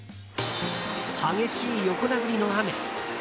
激しい横殴りの雨。